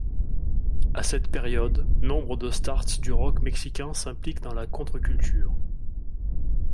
À cette période, nombre de starts du rock mexicain s'impliquent dans la contre-culture.